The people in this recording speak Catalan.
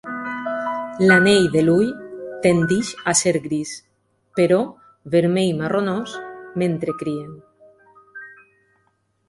L'anell de l'ull tendeix a ser gris, però vermell marronós mentre crien.